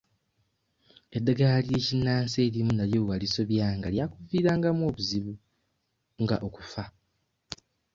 Eddagala ly'ennansi erimu nalyo bwe walisobyanga lyakuviirangamu obuzibu nga okufa.